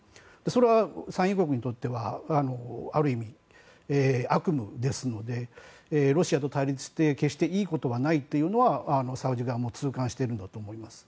それは、産油国にとってはある意味、悪夢ですのでロシアと対立して決していいことはないというのはサウジでは痛感しているんだと思います。